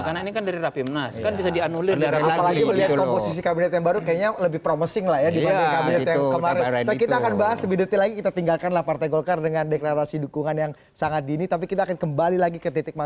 tapi sebenarnya ini strategi